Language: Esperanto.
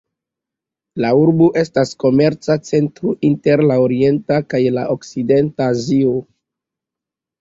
La urbo estas komerca centro inter la orienta kaj la okcidenta Azio.